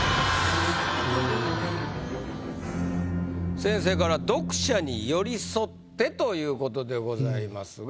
先生から「読者に寄り添って！」ということでございますが。